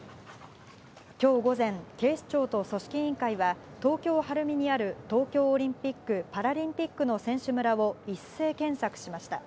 きょう午前、警視庁と組織委員会は、東京・晴海にある東京オリンピック・パラリンピックの選手村を一斉検索しました。